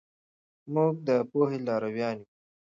موږ د پوهې لارویان یو.